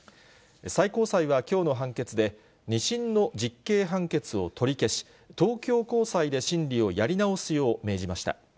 最高裁はきょうの判決で、２審の実刑判決を取り消し、東京高裁で審理をやり直すよう命じました。